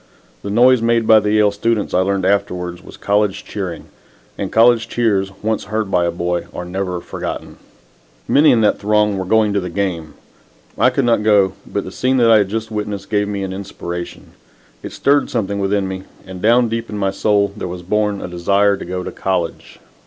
The noise made by the Yale students I learned afterwards was college cheering, and college cheers once heard by a boy are never forgotten. Many in that throng were going to the game. I could not go, but the scene that I had just witnessed gave me an inspiration. It stirred something within me, and down deep in my soul there was born a desire to go to college.